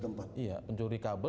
yang jelas kalau juga orang curi kabel